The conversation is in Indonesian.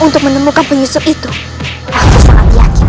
tunggu di sana